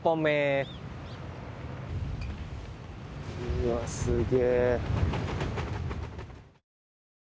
うわあ、すげえ。